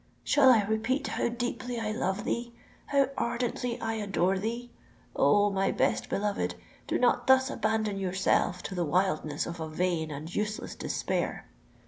"Shall I repeat how deeply I love thee—how ardently I adore thee? Oh! my best beloved, do not thus abandon yourself to the wildness of a vain and useless despair!"